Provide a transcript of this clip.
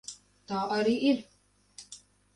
Tā arī ir.